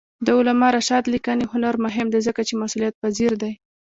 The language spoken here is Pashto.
د علامه رشاد لیکنی هنر مهم دی ځکه چې مسئولیتپذیر دی.